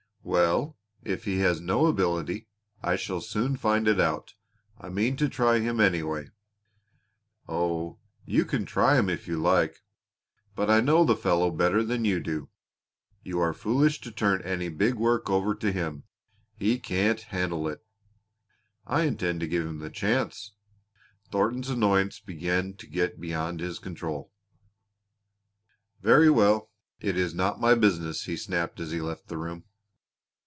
"Well, if he has no ability I shall soon find it out. I mean to try him, anyway." "Oh, you can try him if you like, but I know the fellow better than you do. You are foolish to turn any big work over to him. He can't handle it." "I intend to give him the chance." Thornton's annoyance began to get beyond his control. "Very well. It is not my business," he snapped as he left the room.